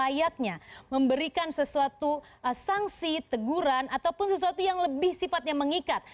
dan selayaknya memberikan sesuatu sanksi teguran ataupun sesuatu yang lebih sifatnya mengikat